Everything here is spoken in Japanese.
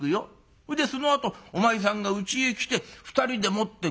それでそのあとお前さんがうちへ来て２人でもって碁を打ちだす。